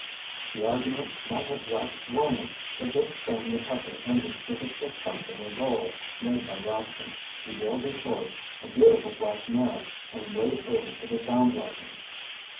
The argument might have waxed warmer, but just then the chukker ended with a spectacular goal made by Rascomb. He wheeled his horse, a beautiful black mare, and rode over to the sound wagon.